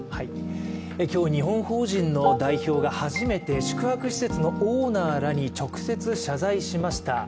今日、日本法人の代表が初めて宿泊施設のオーナーらに直接謝罪しました。